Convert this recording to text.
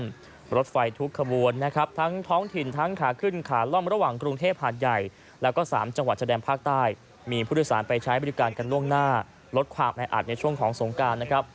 รถไฟทุกขบวนนะครับทั้งท้องถิ่นทั้งขาขึ้นขาล่อมระหว่างกรุงเทพหาดใหญ่แล้วก็๓จังหวัดชะแดนภาคใต้มีผู้โดยสารไปใช้บริการกันล่วงหน้าลดความแออัดในช่วงของสงการนะครับ